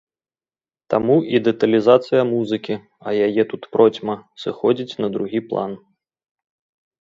Таму і дэталізацыя музыкі, а яе тут процьма, сыходзіць на другі план.